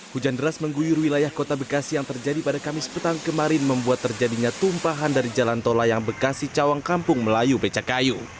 hujan deras mengguyur wilayah kota bekasi yang terjadi pada kamis petang kemarin membuat terjadinya tumpahan dari jalan tol layang bekasi cawang kampung melayu becakayu